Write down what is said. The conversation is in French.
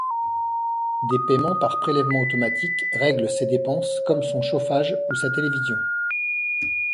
Des paiements par prélèvement automatique règlent ses dépenses comme son chauffage ou sa télévision.